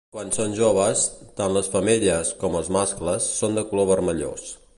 Quan són joves, tant les femelles com els mascles són de color vermellós.